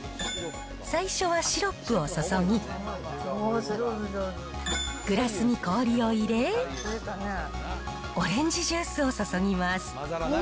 最初はシロップを注ぎ、グラスに氷を入れ、オレンジジュースを注ぎます。